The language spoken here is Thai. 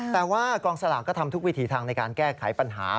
แต่ว่ากองสลากก็ทำทุกวิถีทางในการแก้ไขปัญหา